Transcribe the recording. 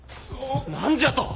何じゃと！